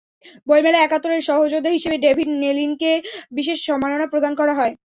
বইমেলায় একাত্তরের সহযোদ্ধা হিসেবে ডেভিড নেলিনকে বিশেষ সম্মাননা প্রদান করা হয়।